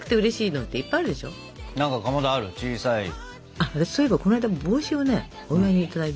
あたしそういえばこの間帽子をねお祝いにいただいてね。